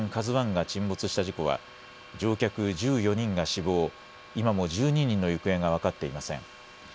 ＫＡＺＵＩが沈没した事故は乗客１４人が死亡、今も１２人の行方が分かっていません。